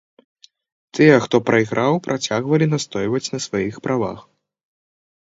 Тыя хто прайграў працягвалі настойваць на сваіх правах.